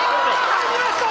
入りました！